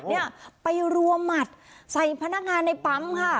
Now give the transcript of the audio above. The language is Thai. เนี่ยไปรัวหมัดใส่พนักงานในปั๊มค่ะ